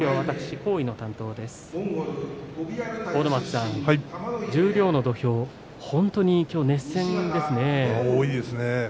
多いですね。